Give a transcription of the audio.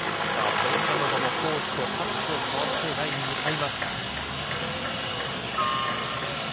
ポルカノバもコーチとタッチを交わして、台に向かいます。